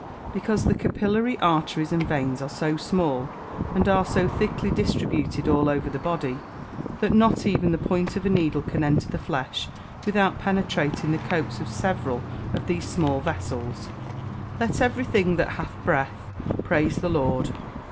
_ Because the capillary arteries and veins are so fine, and are so thickly distributed all over the body, that not even the point of a needle can enter the flesh without penetrating the coats of several of these small vessels. [Verse: "Let every thing that hath breath praise the Lord.